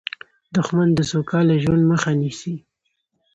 دښمن د سوکاله ژوند مخه نیسي